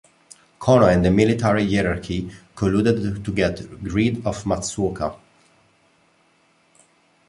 Konoe and the military hierarchy colluded to get rid of Matsuoka.